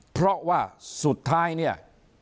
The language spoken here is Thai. เพราะว่าสุดท้ายเนี่ย